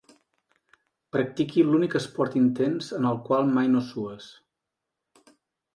Practiqui l'únic esport intens en el qual mai no sues.